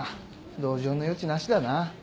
同情の余地なしだな。